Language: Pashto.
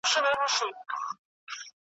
هيڅ ضرورت نشته چې وکړم سپیناوی لۀ ځانه